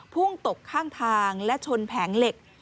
พุ่งตกข้างทางและชนแผงเหล็ก